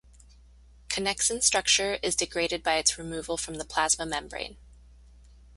Connexon structure is degraded by its removal from the plasma membrane.